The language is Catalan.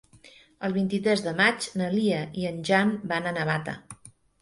El vint-i-tres de maig na Lia i en Jan van a Navata.